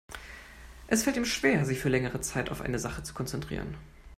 Es fällt ihm schwer, sich für längere Zeit auf eine Sache zu konzentrieren.